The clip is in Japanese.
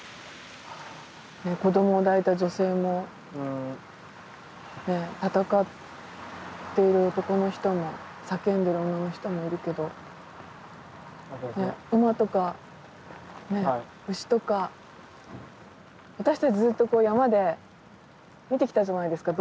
子供を抱いた女性も戦っている男の人も叫んでる女の人もいるけど馬とか牛とか私たちずっと山で見てきたじゃないですか